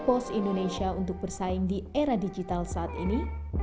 pos indonesia untuk bersaing di era digital saat ini